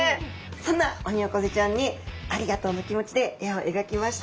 そんなオニオコゼちゃんにありがとうの気持ちで絵を描きました。